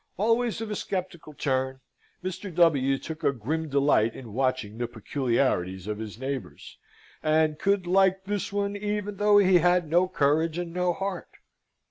Always of a sceptical turn, Mr. W. took a grim delight in watching the peculiarities of his neighbours, and could like this one even though he had no courage and no heart.